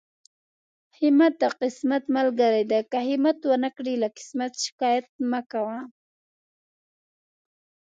همت د قسمت ملګری دی، که همت ونکړې له قسمت شکايت مکوه.